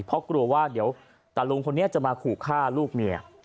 เพราะกลัวว่าเดี๋ยวตาลุงคนนี้จะมาขู่ฆ่าลูกเมีย